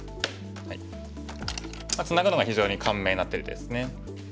ツナぐのが非常に簡明な手ですね。